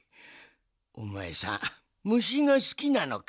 おまえさんむしがすきなのか？